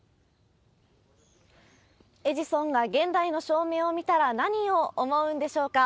エジソンが現代の照明を見たら何を思うんでしょうか。